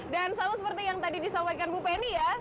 dan sama seperti yang tadi disampaikan bu penny ya